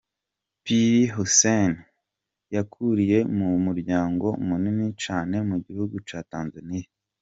Pili Hussein yakuriye mu muryango munini cane mu gihugu ca Tanzaniya.